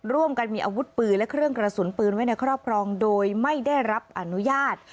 ร่วมกันมีอาวุธปืนและเครื่องกระสุนปืนไว้ในครอบครองโดยไม่ได้รับอนุญาต